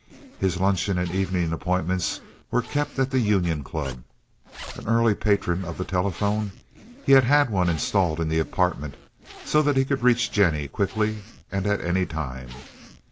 His luncheon and evening appointments were kept at the Union Club. An early patron of the telephone, he had one installed in the apartment, so that he could reach Jennie quickly and at any time.